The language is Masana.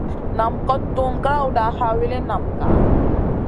Nam kot tuhm grawda, ha wilin nam ka.